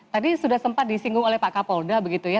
tadi sudah sempat disinggung oleh pak kapolda begitu ya